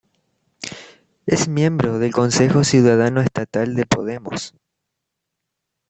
Es miembro del Consejo Ciudadano Estatal de Podemos.